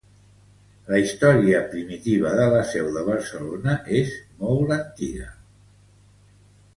La història primitiva de la seu de Barcelona és molt antiga.